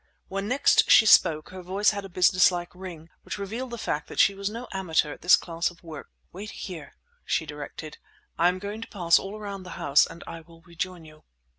When next she spoke, her voice had a businesslike ring, which revealed the fact that she was no amateur at this class of work. "Wait here," she directed. "I am going to pass all around the house, and I will rejoin you."